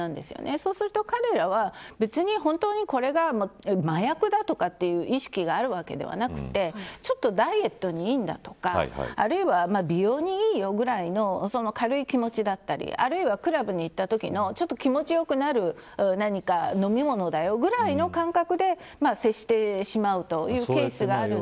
そうすると、彼らは別に本当にこれが麻薬だとかいう意識があるわけではなくてちょっとダイエットにいいんだとかあるいは、美容にいいよぐらいの軽い気持ちだったりあるいはクラブに行ったときの気持ち良くなる何か飲み物だよ、ぐらいの感覚で接してしまうというケースがあるので。